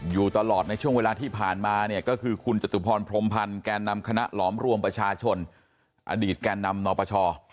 อยู่ตลอดในช่วงเวลาที่ผ่านมาเนี่ยก็คือคุณจตุพรพรมพันธ์แก่นำคณะหลอมรวมประชาชนอดีตแก่นำนปช